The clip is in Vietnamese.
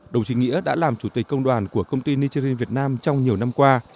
đồng chí nghĩa đã làm chủ tịch công đoàn của công ty nigerin việt nam trong nhiều năm qua